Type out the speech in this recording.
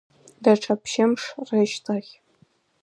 Даҽа ԥшьымш рышьҭахь.